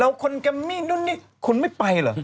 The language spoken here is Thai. แล้วคนแกมมี่นู่นนี่คุณไม่ไปเหรอ